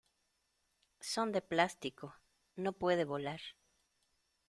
Son de plástico. No puede volar .